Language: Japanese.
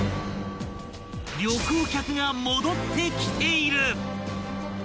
［旅行客が戻ってきている！］